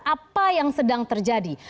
apa yang sedang terjadi